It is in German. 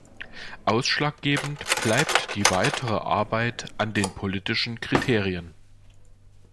Ausschlaggebend bleibt die weitere Arbeit an den politischen Kriterien.